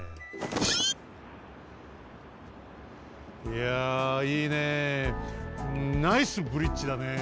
いやいいねえナイスブリッジだねえ。